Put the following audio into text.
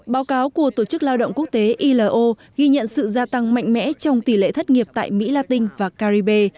báo cáo của tổ chức lao động quốc tế ilo ghi nhận sự gia tăng mạnh mẽ trong tỷ lệ thất nghiệp tại mỹ latin và caribe